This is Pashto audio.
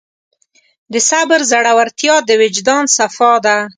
د صبر زړورتیا د وجدان صفا ده.